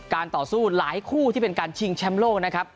ต่อสู้หลายคู่ที่เป็นการชิงแชมป์โลกนะครับ